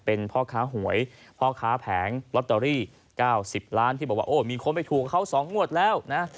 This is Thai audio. เป็นพ่อค้าหวยพ่อค้าแผงลอตเตอรี่๙๐ล้านที่บอกว่าโอ้มีคนไปถูกเขา๒งวดแล้วนะ